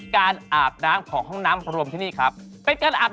ตามแอฟผู้ชมห้องน้ำด้านนอกกันเลยดีกว่าครับ